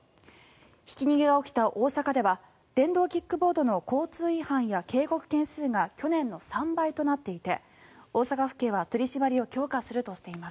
ひき逃げが起きた大阪では電動キックボードの交通違反や警告件数が去年の３倍となっていて大阪府警は取り締まりを強化するとしています。